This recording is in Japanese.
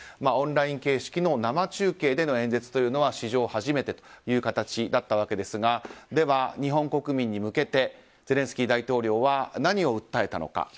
オンライン形式の生中継での演説というのは史上初めてという形でしたがでは、日本国民に向けてゼレンスキー大統領は何を訴えたのか。